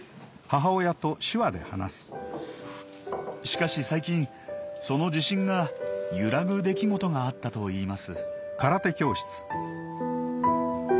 しかし最近その自信が揺らぐ出来事があったといいます。